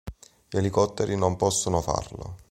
Gli elicotteri non possono farlo.